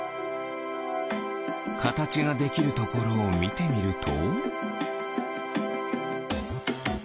かたちができるところをみてみると。